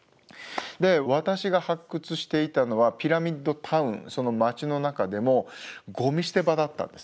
私が発掘していたのはピラミッド・タウンその町の中でもゴミ捨て場だったんですね。